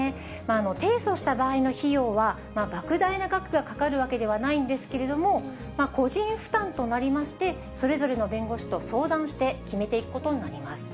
提訴した場合の費用は、ばく大な額がかかるわけではないんですけれども、個人負担となりまして、それぞれの弁護士と相談して決めていくことになります。